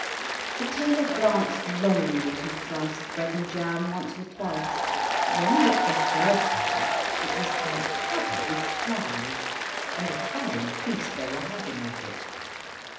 The tailor glanced longingly at his slice of bread and jam once or twice, but when he looked the third time it was quite covered with flies, and a fine feast they were having off it.